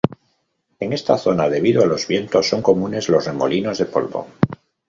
En esta zona debido a los vientos, son comunes los remolinos de polvo.